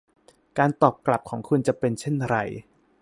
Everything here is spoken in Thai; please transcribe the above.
การตอบกลับของคุณจะเป็นเช่นไร